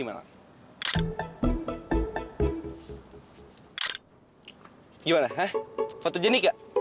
katakan dengan aku